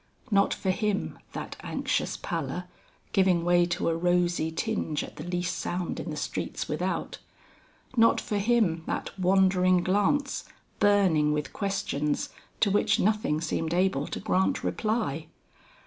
Not for him that anxious pallor, giving way to a rosy tinge at the least sound in the streets without. Not for him that wandering glance, burning with questions to which nothing seemed able to grant reply.